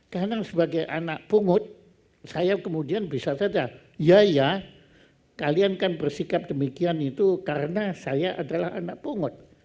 karena sebagai anak pungut saya kemudian bisa saja ya ya kalian kan bersikap demikian itu karena saya adalah anak pungut